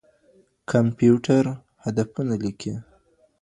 کمپيوټر هدفونه ليکي.